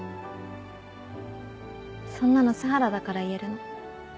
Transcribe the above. そんなの栖原だから言えるの。